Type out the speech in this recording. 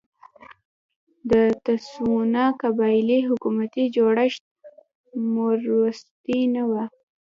د تسوانا قبایلي حکومتي جوړښت موروثي نه و.